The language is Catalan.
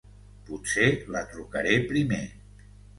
Potser la trucaré primer.